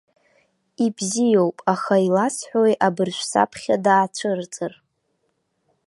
Ибзиоуп, аха иласҳәои, абыржә саԥхьа даацәырҵыр?!